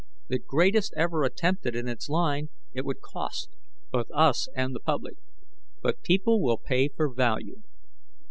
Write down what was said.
The greatest ever attempted in its line, it would cost both us and the public. But people will pay for value.